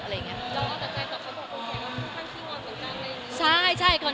โอเคค่ะคนโบตัวให้งานพาได้ตั้งใจเลย